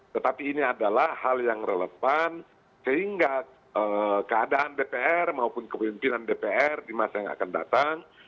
tetapi ini adalah hal yang relevan sehingga keadaan dpr maupun kepemimpinan dpr di masa yang akan datang